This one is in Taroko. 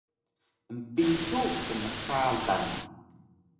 empitu kmxalan